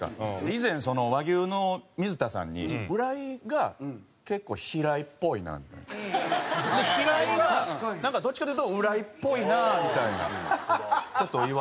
以前和牛の水田さんに「浦井が結構“平井”っぽいな」みたいな。で「平井がどっちかというと“浦井”っぽいな」みたいな事を言われて。